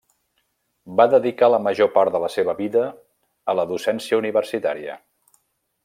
Va dedicar la major part de la seva vida a la docència universitària.